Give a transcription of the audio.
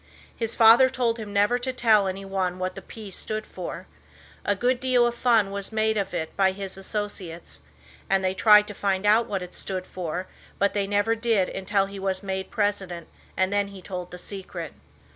His father told him never to tell anyone what that "P" stood for. A good deal of fun was made of it by his associates. And they tried to find out what it stood for, but they never did until he was made president and then he told the secret.